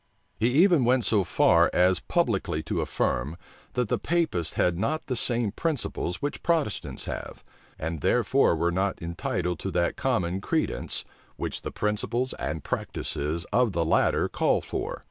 He even went so far as publicly to affirm, that the Papists had not the same principles which Protestants have, and therefore were not entitled to that common credence, which the principles and practices of the latter call for.